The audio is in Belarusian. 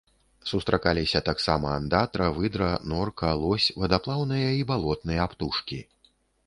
Сустракаліся таксама андатра, выдра, норка, лось, вадаплаўныя і балотныя птушкі.